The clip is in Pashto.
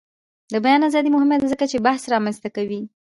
د بیان ازادي مهمه ده ځکه چې بحث رامنځته کوي.